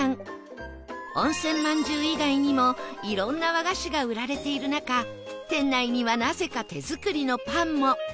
温泉まんじゅう以外にも色んな和菓子が売られている中店内にはなぜか手作りのパンも